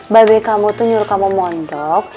baik baik kamu tuh nyuruh kamu mondok